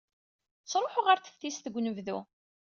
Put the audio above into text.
Ttruḥuɣ ɣer teftist deg unebdu.